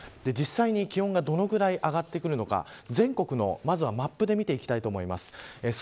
実際に気温がどのぐらい上がるのか全国のマップで見ていきます。